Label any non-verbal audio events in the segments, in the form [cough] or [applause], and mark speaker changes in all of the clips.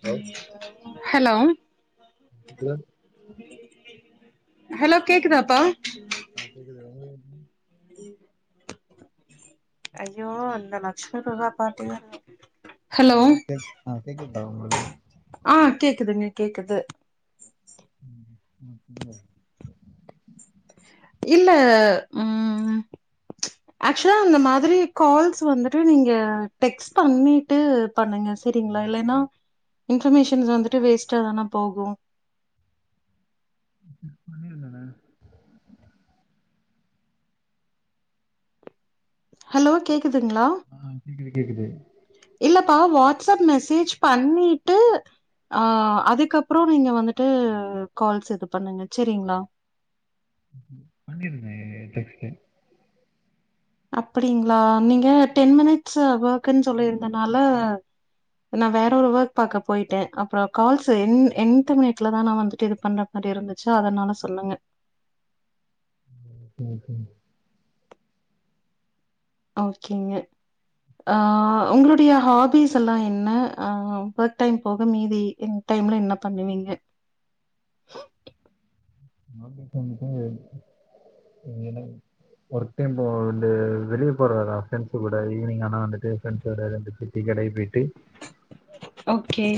Speaker 1: Hello
Speaker 2: hello
Speaker 1: [unintelligible]
Speaker 2: hello கேக்குதாப்பா
Speaker 1: ஆ கேக்குது உங்ளு
Speaker 2: ஐயோ இந்த லக்ஷ்னத்தா பாத்தியா
Speaker 1: ஹலோ கேக் ஆ கேக்குட்தா உங்ளு
Speaker 2: ஆ கேக்குதுங்க கேக்குது
Speaker 1: [unintelligible]
Speaker 2: இல்ல ம் ஆக்ஷொலா அந்த மாதிரி கால்ஸ் வந்துட்டு நீங்க டெக் ஸ் பண்ணிட்டு பண்ணுங்க செரிங்ளா இல்லைனா இன்ஃபர்மேஷன்ஸ் வந்துட்டு வேஸ்ட்டா தான போகு
Speaker 1: ஏய் பண்ணிருந்தடா
Speaker 2: ஹலோ கேக்குதுங்ளா
Speaker 1: ஆ கேக்குது கேக்குது
Speaker 2: இல்லப்பா வாட்ஸ் அப் மெசேஜ் பண்ணிட்டு ஆ அதுக்கப்றோ நீங்க வந்துட்டு கால்ஸ் இது பண்ணுங்க சேரிங்ளா
Speaker 1: பண்ணிருவே டெக்ஸ்ட்டு
Speaker 2: அப்டிங்ளா நீங்க டென் மினிட்ஸ் வொர்க்னு சொல்லிருந்தனால நா வேறொரு ஒர்க் பாக்க பொய்ட்டே அப்றோ கால்ஸு எண் எண்ட்மிண்ட்ல தா நா வந்துட்டு இது பண்ண மாறி இருந்துச்சா அதனால சொல்லுங்க
Speaker 1: ஓகே ஓகேங்க
Speaker 2: ஓகேங்க ஆ உங்களுடைய ஹாபிஸ்ஸெல்லா என்ன ஆ ஒர்க் டைம் போக மீதி டைம்ல என்ன பண்ணுவீங்க
Speaker 1: வாங்கிட்டு வந்துட்டு இனிமேதா ஒர்க் டைம் போக வந்து வெளிய போறதா ப்ரெண்ட்ஸு கூட ஈவ்னிங் ஆனா வந்துட்டு ஃப்ரெண்ட்ஸோட இருந்துட்டு டீ கடைபெயிட்டு
Speaker 2: ஓகே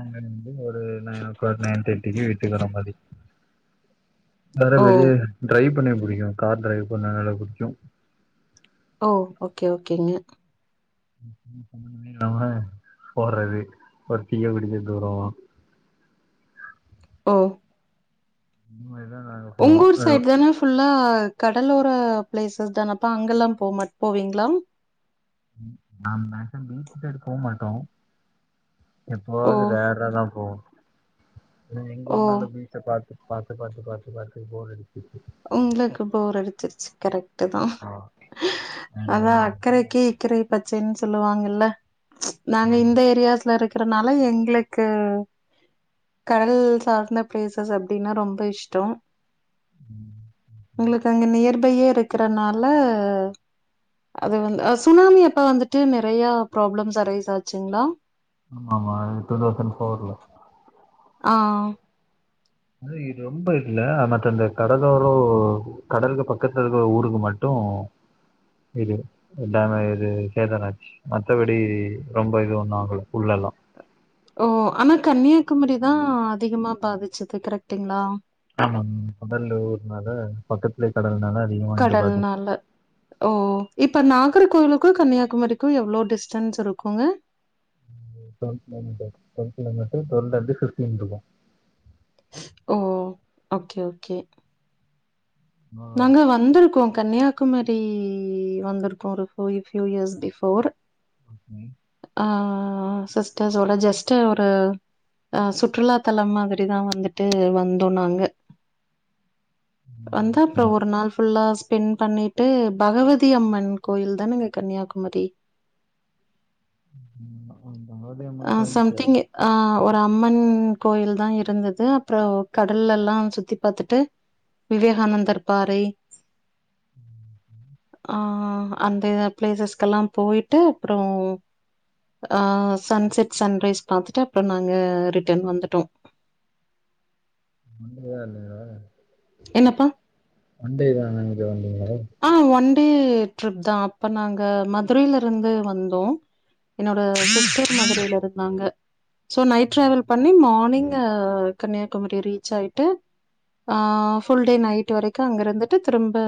Speaker 1: அங்கருந்து ஒரு நைன் ஓ க்ளாக் நைன் தேட்டிக்கி வீட்டுக் வர மாரி வேற
Speaker 2: ஓ
Speaker 1: வெளியே டிரைவ் பண்ண புடிக்கு கார் டிரைவ் பண்ண நல்லா புடிக்கு
Speaker 2: ஓ ஓகே ஓகேங்க
Speaker 1: மூணு மணிக்கு கெளம்புனா போறது ஒரு டீய குடிச்சிட்டு வருவோ
Speaker 2: ஓ
Speaker 1: ம் இதுதா நாங்க
Speaker 2: உங்கூர்
Speaker 1: போவோ
Speaker 2: சைட் தான ஃபுல்லா கடலோர ப்ளேஸஸ் தானப்பா அங்கல்லா போமா போவிங்ளா
Speaker 1: நா மேக்ஸிமம் பீச்சு சைடு போ மாட்டோ
Speaker 2: ஓ
Speaker 1: எப்போவாது ரேராதா போவோ இங்க
Speaker 2: ஓ
Speaker 1: ஒரு நாள்ல பீச் பாத்து பாத்து பாத்து பாத்து பாத்து போரடிச்சிடுச்சி
Speaker 2: உங்குளுக்கு போர் அடிச்சிர்ச்சி கரெக்ட் அதுதா
Speaker 1: ஆ, நான்
Speaker 2: அதா
Speaker 1: வந்துட்டு,
Speaker 2: அக்கறைக்கி இக்கறை பச்சைன்னு சொல்லுவாங்கல்ல ச்சு நாங்க
Speaker 1: ம்,
Speaker 2: இந்த ஏரியாஸ்ல இருக்கறனால எங்ளுக்கு கடல் சார்ந்த பிளேசஸ் அப்டின்னா ரொம்ப இஷ்ட்டோ
Speaker 1: ம்
Speaker 2: உங்குளுக்கு அங்க நியர்பையே இருக்றனால அது வந்து சுனாமி அப்ப வந்துட்டு நெறைய ப்ராப்ளம்ஸ் அரைஸ் ஆச்சுங்ளா
Speaker 1: ஆமா ஆமா டூ தௌசண்ட் ஃபோர்ல
Speaker 2: ஆ
Speaker 1: ஆனா இது ரொம்ப இருக்குல்ல மற்ற இந்த கடலோரோ கடலுக்கு பக்கத்துலருக்க ஊருங்க மா அப்ரோ [unintelligible] பட் ஆனா இது சேதாரோ ஆச்சு மத்தபடி ரொம்ப இது ஒண்ணாகல உள்ளயெல்லா
Speaker 2: ஓ ஆனா கன்னியாகுமரி தா அதிகமா பாதிச்சுது கரெக்ட்டுங்ளா
Speaker 1: ஆமாங் முதல் ஊர்னால பக்கத்துலே கடல்னால அதிகமாக இங்கே பாதிச்சு
Speaker 2: கடல்னால ஓ இப்போ நாகர்கோயிலுக்கு கன்னியாகுமரிக்கு எவ்ளோ டிஸ்டன்ஸ் இருக்குங்க
Speaker 1: ஒரு twelve kilometres twelve kilometre twelve அல்லாட்டி ஃபிப்டீன் இருக்கு
Speaker 2: ஓ ஓக்கே ஓக்கே
Speaker 1: நல்லாதான்
Speaker 2: நாங்க
Speaker 1: இருக்கும்.
Speaker 2: வந்துருக்கோ கன்னியாகுமரி வந்துருக்கோ ஒரு ஃபியூ ஃபியூ இயஸ் பிஃபோர்
Speaker 1: ம் ம்
Speaker 2: ஆ சிஸ்டர்ஸோட ஜஸ்ட்டு ஒரு ஆ சுற்றுலாத்தலம் மாதிரி தா வந்துட்டு வந்தோ நாங்க
Speaker 1: ம்,
Speaker 2: வந்தா
Speaker 1: ஓகே.
Speaker 2: அப்றோ ஒரு நாள் ஃபுல்லா ஆ ஸ்பெண்ட் பண்ணிட்டு பகவதி அம்மன் கோயில் தானேங்க கன்னியாகுமரி
Speaker 1: ம் ம் ஆமா பகவதி அம்மன் கோவில் தெர்
Speaker 2: ஆ ஒரு அம்மன் கோயில் தா இருந்தது அப்றோ கடல்லயெல்லா சுத்தி பாத்துட்டு விவேகானந்தர் பாறை ஆ அந்த பிளேசஸ்க்கெல்லா போய்ட்டு அப்றோ ஆ சன் செட் சன் ரைஸ் பாத்துட்டு அப்றோ நாங்க ரிட்டன் வந்துட்டோ
Speaker 1: வந்ததே இல்லயா
Speaker 2: என்னப்பா
Speaker 1: ஒண்டே தான இனக்கு வந்தீங்ள
Speaker 2: ஆ ஒன் டே ட்ரிப் தா அப்ப நாங்க மதுரைலயிருந்து வந்தோ என்னோட சிஸ்ட்டர் மதுரைல இருந்தாங்க சோ நைட் ட்ராவல் பண்ணி மானிங் ஆ கன்னியாகுமரி ரீச் ஆய்ட்டு ஆ ஃபுல் டே நைட் வரைக்கு அங்கயிருந்துட்டு திரும்ப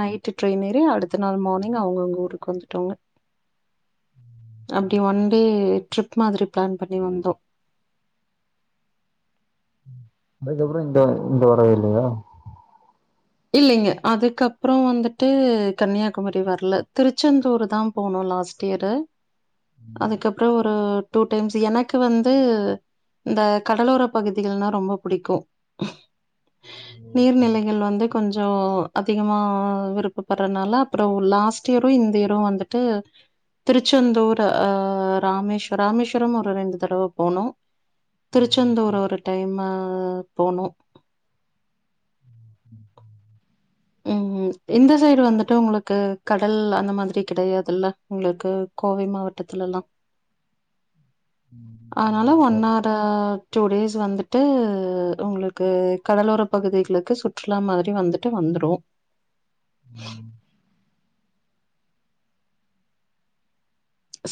Speaker 2: நைட்டு ட்ரெயின் ஏறி அடுத்த நாள் மானிங் அவுங்கவுங்க ஊருக்கு வந்துட்டாங்க அப்டி ஒன் டே ட்ரிப் மாதிரி ப்ளான் பண்ணி வந்தோ
Speaker 1: அதுக்கப்றோ இங்க இங்க வரவே இல்லயா
Speaker 2: இல்லேங்க அதுக்கப்றோ வந்துட்டு கன்னியாகுமரி வர்ல திருச்செந்தூரு தா போனோ லாஸ்ட் இயரு அதுக்கப்றோ ஒரு டூ டைம்ஸ் எனக்கு வந்து இந்த கடலோரப் பகுதிகள்னா ரொம்ப புடிக்கு
Speaker 1: ஓகே
Speaker 2: நீர்நிலைகள் வந்து கொஞ்சோ அதிகமா விருப்பபட்றனால அப்றோ லாஸ்ட்டியரு இந்த இயரு வந்துட்டு திருச்செந்தூர் அ ராமேஸ்வர ராமேஸ்வரோம் ஒரு ரெண்டு தடவ போனோ
Speaker 1: ம்,
Speaker 2: திருச்செந்தூரு ஒரு டைம்மு போனு
Speaker 1: ம்
Speaker 2: ம். இந்த சைடு வந்துட்டு உங்களுக்கு கடல் அந்த மாதிரி கெடையாதுல்ல உங்ளுக்கு கோவை மாவட்டத்துலல்லா
Speaker 1: ம்
Speaker 2: ஆ டூ டேஸ் வந்துட்டு ஒங்ளுக்கு கடலோர பகுதிகளுக்கு சுற் றுலா மாரி வந்துட்டு வந்துடு
Speaker 1: ம்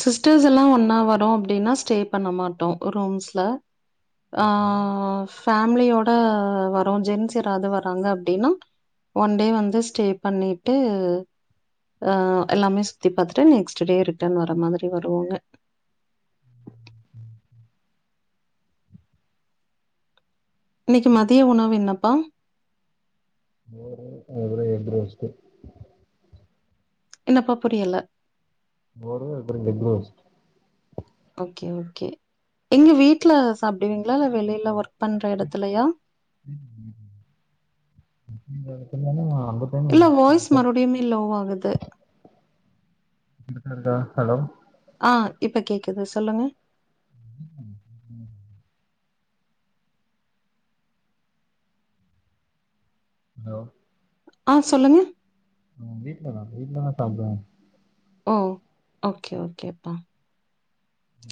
Speaker 2: சிஸ்டர்ஸ் எல்லா ஒன்னா வரோ அப்டின்னா ஸ்டே பண்ண மாட்டோ ரூம்ஸ்ல ஆ
Speaker 1: ஓகே.
Speaker 2: ஃபேம்லியோட வரோ ஜென்ஸ் யாராது வர்றாங்க அப்டின்னா ஒன் டே வந்து ஸ்டே பண்ணிட்டு ஆ எல்லாமே சுத்தி பாத்துட்டு நெக்ஸ்ட் டே ரிட்டன் வர மாதிரி வருவோங்க இன்னக்கி மதிய உணவு என்னப்பா
Speaker 1: மோரு அதோட எக் ரோஸ்ட்
Speaker 2: என்னப்பா புரியல
Speaker 1: மோரு அப்றோ எக் ரோஸ்ட்
Speaker 2: ஓகே ஓகே எங்க வீட்ல சாப்பிடுவீங்களா வெளியில ஒர்க் பண்ற எடத்துலையா
Speaker 1: ம் ம் ம் ஒர்க் பண்ற எடத்துலனா அந்த
Speaker 2: இல்ல வாய்ஸ் மறுபடியுமே லோ ஆகுது
Speaker 1: [unintelligible] [inaudible] இருக்க ஹலோ
Speaker 2: ஆ இப்ப கேக்குது சொல்லுங்க
Speaker 1: [inaudible] ஹலோ
Speaker 2: ஆ சொல்லுங்க
Speaker 1: ம் வீட்லதா வீட்லதா சாப்டுவ
Speaker 2: ஓ ஓகே ஓகேப்பா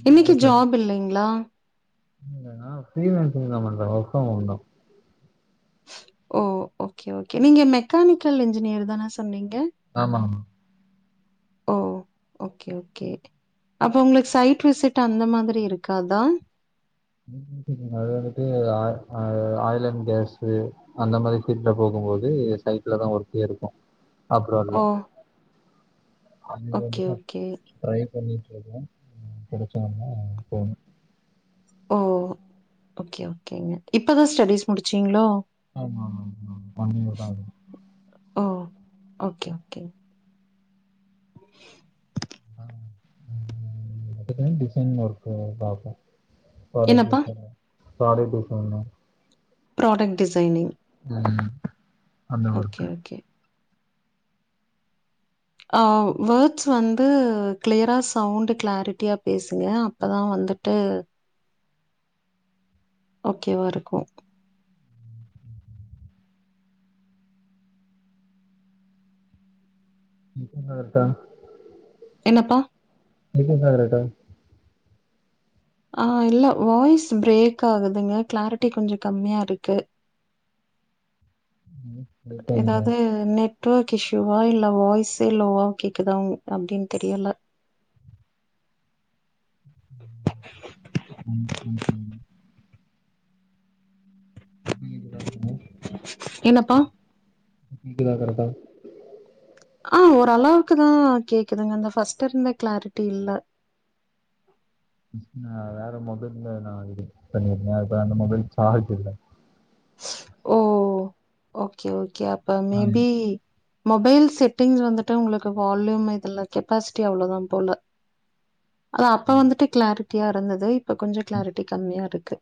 Speaker 2: இன்னைக்கு ஜாப் இல்லைங்ளா
Speaker 1: இல்ல நா ஃப்ரிலேன்ஸிங்தா பண்ற ஒர்க் ஃப்ரம் ஹோம்தா
Speaker 2: ஓ ஓகே ஓகே நீங்க மெக்கானிக்கல் இன்ஜினயர் தானே சொன்னீங்க
Speaker 1: ஆமா மே
Speaker 2: ஓ ஓகே ஓகே அப்போ உங்களுக்கு சைட் விசிட் அந்த மாதிரி இருக்காதா
Speaker 1: ம் ம் அது வந்துட்டு ஆ ஆ ஆய்ல் அன் கேஸ்சு அந்த மாரி ஃபீல்ட்ல போகும்போது சைட்லதா ஒர்க்கே இருக்கு அப்ராடுல
Speaker 2: ஓ
Speaker 1: அது
Speaker 2: ஓகே
Speaker 1: வந்துங்க
Speaker 2: ஓகே
Speaker 1: ட்ரை பண்ணிட்டு இருக்கே கெடைச்சவுனே போணு
Speaker 2: ஓ ஓகே ஓகேங்க இப்பதா ஸ்டடிஸ் முடிச்சீங்ளோ
Speaker 1: ஆமா ஆமாங் மேம் ஒன் இயர்தா ஆகுது
Speaker 2: ஓ ஓகே ஓகே [inaudible]
Speaker 1: ம் அதுக்கு டிசைன் ஒர்க்கு பாக்வோ ப்ராடக்ட்
Speaker 2: என்னப்பா?
Speaker 1: Design product design
Speaker 2: product designing
Speaker 1: ம்
Speaker 2: ஓகே
Speaker 1: அந்தவொர்க்கு
Speaker 2: ஓகே. அ வேர்ட்ஸ் வந்து கிளியரா சவுண்டு கிளாரிட்டியா பேசுங்க அப்பதா வந்துட்டு ஓகேவா இருக்கு
Speaker 1: மிஸ்ஸிங் அவர்தா
Speaker 2: என்னப்பா
Speaker 1: பில்லிங் அவர்தா
Speaker 2: அ இல்ல வாய்ஸ் பிரேக் ஆகுதுங்க கிளாரிட்டி கொஞ்சோ கம்மியாருக்கு
Speaker 1: ம்
Speaker 2: ஏதாவ்து நெட்ஒர்க் இஷ்யூவா இல்ல வாய்ஸே லோவா கேட்குதா அப்டின் தெரியல
Speaker 1: ம் ம்.. பீர் வாங்கவா
Speaker 2: என்னப்பா?
Speaker 1: இது வரகதா
Speaker 2: ஆ ஓரளவுக்குதா கேக்குதுங்க அந்த ஃபர்ஸ்ட் இருந்த கிளாரிட்டி இல்ல
Speaker 1: சிஸ் நா வேற மொபைல்ல நா இது பண்ணிருந்த அது அந்த மொபைல் சார்ஜ் இல்ல
Speaker 2: ஓ ஓகே ஓகே அப்ப மேபி மொபைல் செட்டிங் வந்துட்டு உங்களுக்கு வால்யூம் இதுல கெப்பாசிட்டி அவ்ளோதா போல அத அப்ப வந்துட்டு கிளாரிட்டியா இருந்தது இப்ப கொஞ்சோ கிளாரிட்டி கம்மியா இருக்கு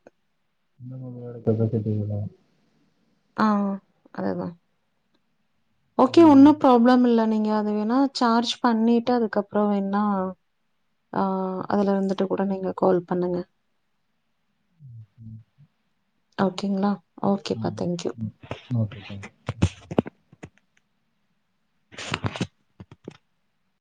Speaker 1: சின்ன [unintelligible]
Speaker 2: ஆவ் அதுதா ஓகே ஒன்னு
Speaker 1: ம்
Speaker 2: ப்ராப்ளம் இல்ல நீங்க அது வேணா சார்ஜ் பண்ணிட்டு அதுக்கப்பற வேணா ஆ அதுல இருந்துட்டு கூட நீங்க கால் பண்ணுங்க
Speaker 1: ம் ம்
Speaker 2: அவுக்ங்ளா
Speaker 1: ம் ம் ஓகே தங்க்யூ